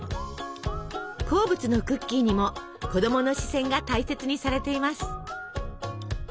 好物のクッキーにも子供の視線が大切にされています。